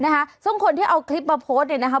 นะคะซึ่งคนที่เอาคลิปมาโพสต์เนี่ยนะคะ